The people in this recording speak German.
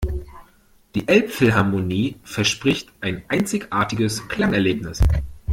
Die Elbphilharmonie verspricht ein einzigartiges Klangerlebnis.